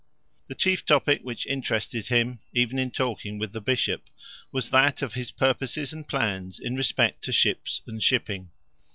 The chief topic which interested him, even in talking with the bishop, was that of his purposes and plans in respect to ships and shipping.